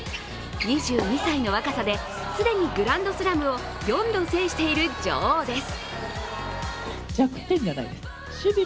２２歳の若さで既にグランドスラムを４度制している女王です。